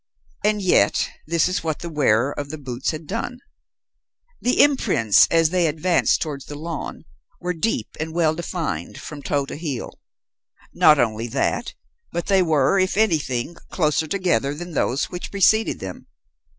"And yet this is what the wearer of the boots had done. The imprints, as they advanced towards the lawn, were deep and well defined from toe to heel. Not only that, but they were, if anything, closer together than those which preceded them.